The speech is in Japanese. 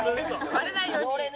バレないように。